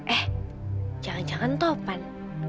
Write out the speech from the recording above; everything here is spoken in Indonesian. eh jangan jangan topan